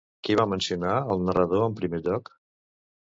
Qui va mencionar el narrador en primer lloc?